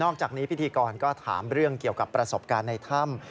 จากนี้พิธีกรก็ถามเรื่องเกี่ยวกับประสบการณ์ในถ้ำ